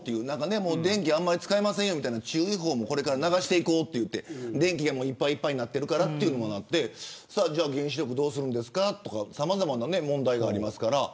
電気あんまり使いませんよという注意報をこれから流そうと電気がいっぱいいっぱいになっているからというのがあって原子力どうするんですかとさまざまな問題があります。